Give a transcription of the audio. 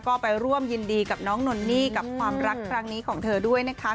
ก็ไปร่วมยินดีกับน้องนนนี่กับความรักครั้งนี้ของเธอด้วยนะคะ